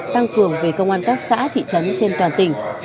tăng cường về công an các xã thị trấn trên toàn tỉnh